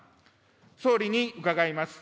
総理に伺います。